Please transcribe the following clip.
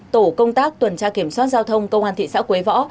tổ công tác tuần tra kiểm soát giao thông công an thị xã quế võ